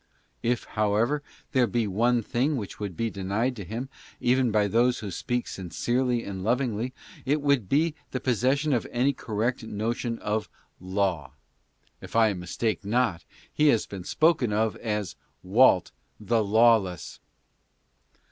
If. however, there be one thing which would be denied to him, even by those who speak sincerely and lovingly, it would be the possession of any correct notion of Laze. If I mistake not, he has been spoken of as " Walt, the lawless."